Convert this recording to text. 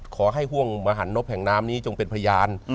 ขอให้ห่วงมหันนบแห่งน้ำนี้จงเป็นพยาน